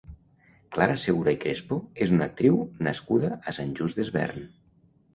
Clara Segura i Crespo és una actriu nascuda a Sant Just Desvern.